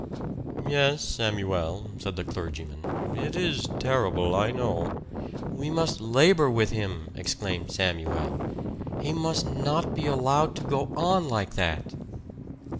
"Yes, Samuel," said the clergyman. "It is terrible, I know " "We must labor with him!" exclaimed Samuel. "He must not be allowed to go on like that!"